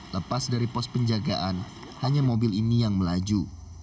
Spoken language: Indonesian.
lepas dari pos penjagaan hanya mobil ini yang melaju